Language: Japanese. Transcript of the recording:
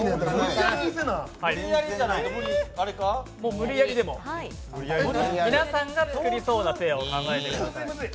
無理やりでも皆さんが作りそうなペアを考えてください。